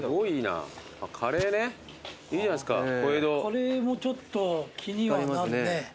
カレーもちょっと気にはなるね。